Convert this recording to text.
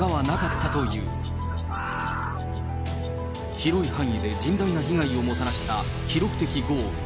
広い範囲で甚大な被害をもたらした、記録的豪雨。